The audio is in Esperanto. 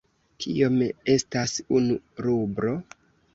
Kiom estas unu rublo?